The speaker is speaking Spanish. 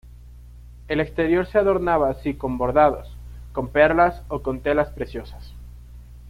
El exterior se adornaba así con bordados, con perlas o con telas preciosas.